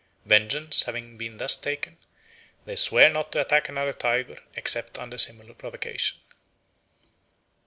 Vengeance having been thus taken, they swear not to attack another tiger except under similar provocation.